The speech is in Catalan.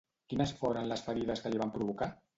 Quines foren les ferides que li van provocar?